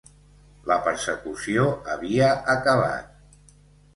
La persecució havia acabat.